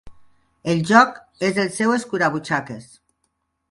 El joc és el seu escurabutxaques.